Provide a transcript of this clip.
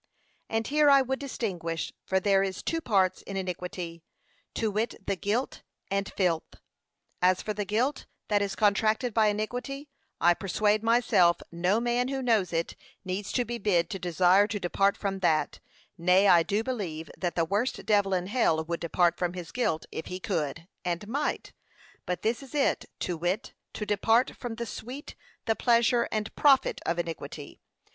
And here I would distinguish, for there is two parts in iniquity, to wit, the guilt and filth. As for the guilt that is contracted by iniquity, I persuade myself, no man who knows it, needs to be bid to desire to depart from that; nay, I do believe that the worst devil in hell would depart from his guilt, if he could, and might: but this is it, to wit, to depart from the sweet, the pleasure, and profit of iniquity.